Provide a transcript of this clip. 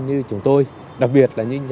như chúng tôi đặc biệt là những